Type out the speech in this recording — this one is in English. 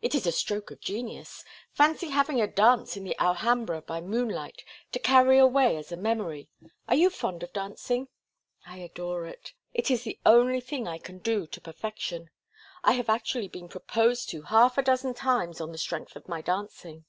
"It is a stroke of genius. Fancy having a dance in the Alhambra by moonlight to carry away as a memory! Are you fond of dancing?" "I adore it. It is the one thing I can do to perfection. I have actually been proposed to half a dozen times on the strength of my dancing."